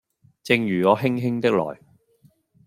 正如我輕輕的來